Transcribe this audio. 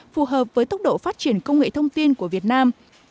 phù hợp với tốc độ phát triển công nghệ thông tin của việt nam